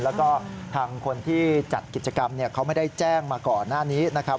แล้วก็ทางคนที่จัดกิจกรรมเขาไม่ได้แจ้งมาก่อนหน้านี้นะครับ